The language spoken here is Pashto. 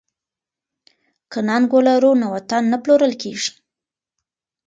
که ننګ ولرو نو وطن نه پلورل کیږي.